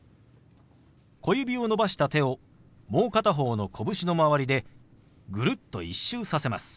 小指を伸ばした手をもう片方の拳の周りでぐるっと１周させます。